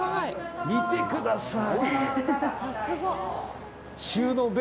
見てください。